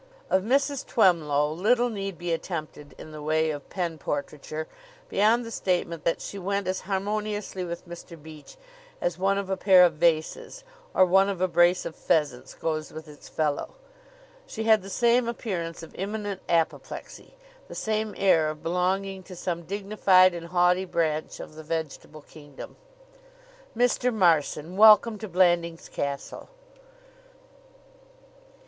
Of Mrs. Twemlow little need be attempted in the way of pen portraiture beyond the statement that she went as harmoniously with Mr. Beach as one of a pair of vases or one of a brace of pheasants goes with its fellow. She had the same appearance of imminent apoplexy, the same air of belonging to some dignified and haughty branch of the vegetable kingdom. "Mr. Marson, welcome to Blandings Castle!"